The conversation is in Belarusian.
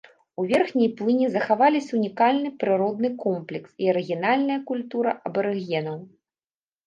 У верхняй плыні захаваліся ўнікальны прыродны комплекс і арыгінальная культура абарыгенаў.